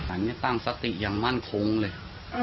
อันนี้ตั้งสติอย่างมั่นคงเลย